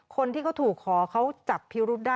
คนที่เขาถูกขอเขาจับพิรุษได้